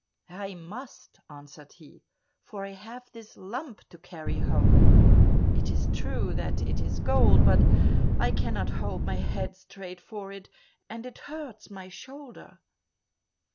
"I must," answered he, "for I have this lump to carry home; it is true that it is gold, but I cannot hold my head straight for it, and it hurts my shoulder."